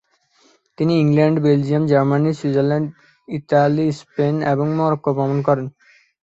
তিনি England, Belgium, Germany, Switzerland, Italy, Spain এবং Morocco ভ্রমণ করেন।